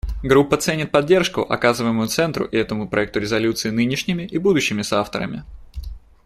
Группа ценит поддержку, оказываемую Центру и этому проекту резолюции нынешними и будущими соавторами.